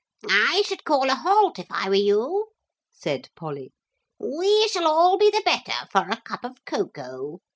'I should call a halt, if I were you,' said Polly. 'We shall all be the better for a cup of cocoa.